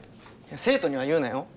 生徒には言うなよ